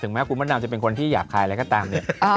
ถึงแม้ว่ากูมะนามจะเป็นคนที่อยากคายอะไรก็ตามเนี่ย